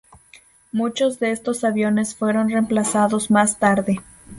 Muchos de estos aviones fueron reemplazados más tarde.